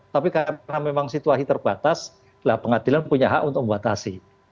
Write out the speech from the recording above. tapi karena memang situasi terbatas pengadilan punya hak untuk membatasi